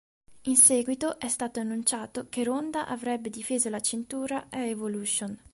In seguito, è stato annunciato che Ronda avrebbe difeso la cintura a Evolution.